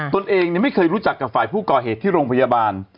ตัวเองไม่เคยรู้จักกับฝ่ายผู้ก่อเหตุที่โรงพยาบาล